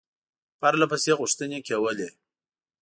پرله پسې غوښتني کولې.